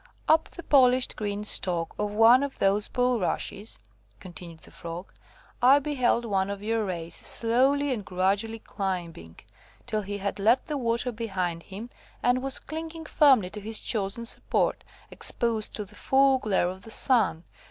"Up the polished green stalk of one of those bulrushes," continued the Frog, "I beheld one of your race slowly and gradually climbing, till he had left the water behind him, and was clinging firmly to his chosen support, exposed to the full glare of the sun.